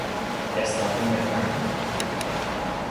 È stato un mercante.